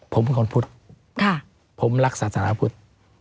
ผมเป็นคนพุทธผมรักศาสนาพุทธ